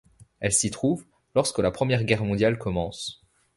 Elle s'y trouve, lorsque la Première Guerre mondiale commence.